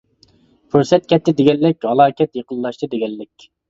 پۇرسەت كەتتى دېگەنلىك ھالاكەت يېقىنلاشتى دېگەنلىك.